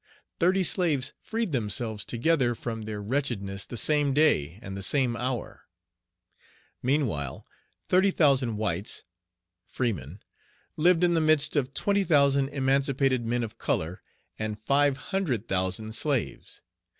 Thirty slaves freed themselves together from their wretchedness the same day and the same hour; meanwhile, thirty thousand whites, freemen, lived in the midst of twenty thousand emancipated men of color and five hundred thousand slaves.